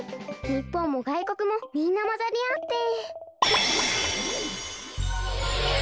日本も外国もみんなまざりあって。